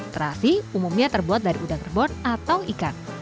terasi umumnya terbuat dari udang kerbon atau ikan